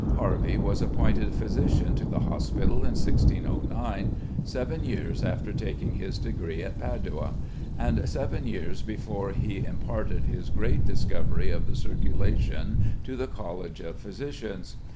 Harvey was appointed physician to the hospital in 1609, seven years after taking his degree at Padua, and seven years before he imparted his great discovery of the circulation to the College of Physicians.